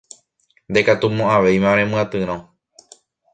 Ndaikatumo'ãvéima remyatyrõ.